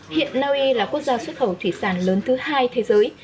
hiện naui là quốc gia xuất khẩu thủy sản lớn thứ hai thế giới